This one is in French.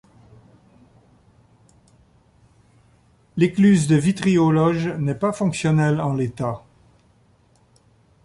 L’écluse de Vitry-aux-Loges n’est pas fonctionnelle en l’état.